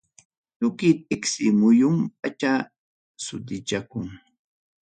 Tukuy tiksi muyum pacha sutichakun.